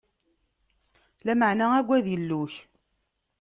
Lameɛna agad Illu-ik.